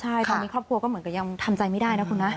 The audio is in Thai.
ใช่ตอนนี้ครอบครัวก็เหมือนกับยังทำใจไม่ได้นะคุณนะ